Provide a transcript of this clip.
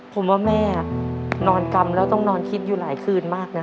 ผมว่าแม่นอนกำแล้วต้องนอนคิดอยู่หลายคืนมากนะ